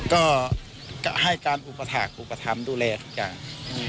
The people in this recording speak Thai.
ก็ให้การอุปถักอุปธรรมดูแลทุกอย่าง